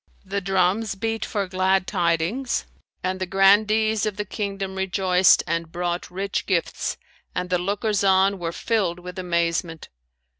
The drums beat for glad tidings and the Grandees of the kingdom rejoiced and brought rich gifts and the lookers on were filled with amazement.